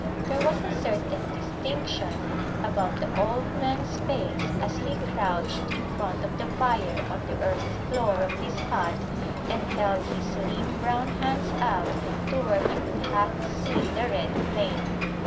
There was a certain distinction about the old man's face as he crouched in front of the fire on the earth floor of his hut and held his lean brown hands out to where he could half see the red flame.